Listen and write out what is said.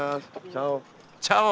チャオ。